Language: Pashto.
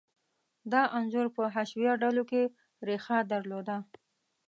دا انځور په حشویه ډلو کې ریښه درلوده.